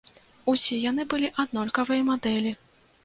Усе яны былі аднолькавай мадэлі.